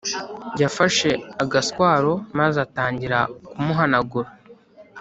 yafashe agaswaro maze atangira kumuhanagura